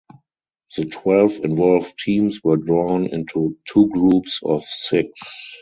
The twelve involved teams were drawn into two groups of six.